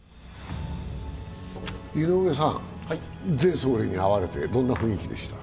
井上さん、前総理に会われてどんな雰囲気でした？